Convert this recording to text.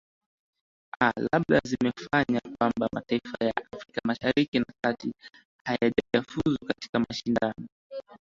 aa labda zimefanya kwamba mataifa ya afrika mashariki na kati hayajafuzu katika mashindano